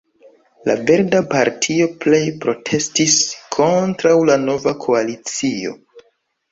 La Verda Partio plej protestis kontraŭ la nova koalicio.